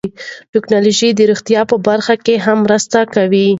ټکنالوژي د روغتیا په برخه کې هم مرسته کوي.